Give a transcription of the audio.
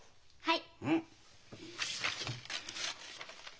はい。